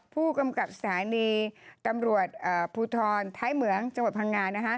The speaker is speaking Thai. ผู้กำกับสถานีตำรวจภูทรท้ายเหมืองจังหวัดพังงา